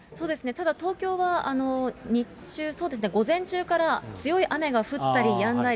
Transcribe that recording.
ただ東京は、日中、午前中から強い雨が降ったりやんだり。